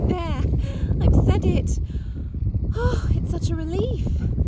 _] There! I've said it! Oh, it's such a relief!